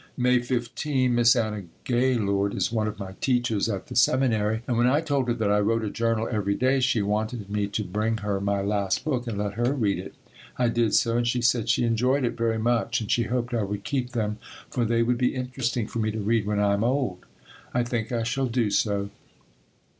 May 15. Miss Anna Gaylord is one of my teachers at the seminary and when I told her that I wrote a journal every day she wanted me to bring her my last book and let her read it. I did so and she said she enjoyed it very much and she hoped I would keep them for they would be interesting for me to read when I am old. I think I shall do so.